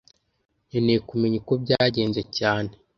Nkeneye kumenya uko byagenze cyane